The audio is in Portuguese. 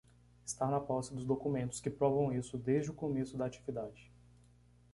Estar na posse dos documentos que provam isso desde o começo da atividade.